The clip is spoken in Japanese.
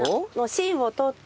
芯を取って。